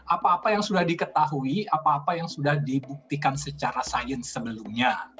apa apa yang sudah diketahui apa apa yang sudah dibuktikan secara sains sebelumnya